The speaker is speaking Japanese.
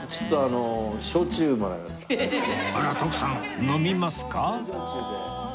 あら徳さん飲みますか？